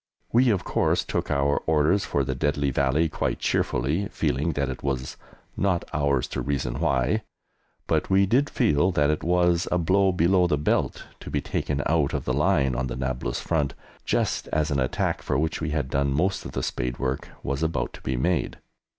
We, of course, took our orders for the deadly Valley quite cheerfully, feeling that it was "not ours to reason why," but we did feel that it was a blow below the belt to be taken out of the line on the Nablus front, just as an attack, for which we had done most of the spade work, was about to be made.